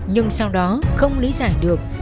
nhưng sau đó không lý giải được